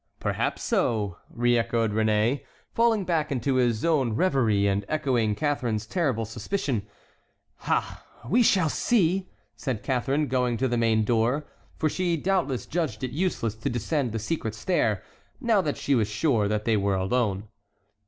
"Perhaps so," re echoed Réné, falling back into his own reverie and echoing Catharine's terrible suspicion. "Ha! we shall see," said Catharine, going to the main door, for she doubtless judged it useless to descend the secret stair, now that she was sure that they were alone.